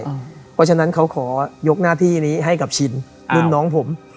เพราะฉะนั้นเขาขอยกหน้าที่นี้ให้กับชินรุ่นน้องผม